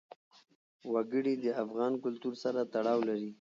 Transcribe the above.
وګړي د افغان کلتور سره تړاو لري.